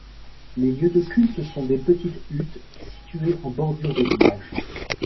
Les lieux de cultes sont des petites huttes situées en bordure des villages.